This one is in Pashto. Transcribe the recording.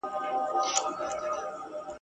په دې تور اغزن سفر کي انسانان لکه ژوري ..